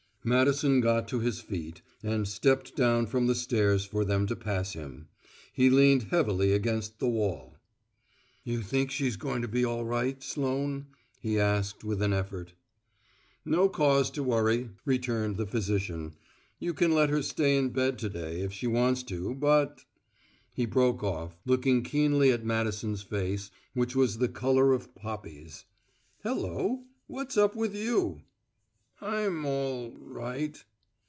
Madison got to his feet, and stepped down from the stairs for them to pass him. He leaned heavily against the wall. "You think she's going to be all right, Sloane?" he asked with an effort. "No cause to worry," returned the physician. "You can let her stay in bed to day if she wants to but " He broke off, looking keenly at Madison's face, which was the colour of poppies. "Hello! what's up with you?" "I'm all right."